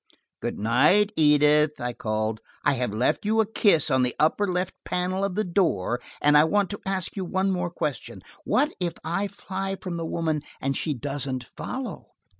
"Good night, Edith," I called, "I have left you a kiss on the upper left hand panel of the door. And I want to ask you one more question: what if I fly from the woman and she doesn't follow?"